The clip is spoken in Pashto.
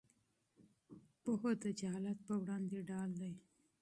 پوهه د جهالت پر وړاندې ډال دی.